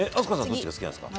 どっちが好きなんですか？